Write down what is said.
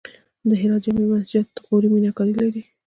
د هرات جمعې مسجد غوري میناکاري لري